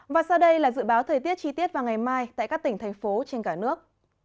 và sau đây là dự báo thời tiết chi tiết vào ngày mai tại các tỉnh thành phố trên cả nước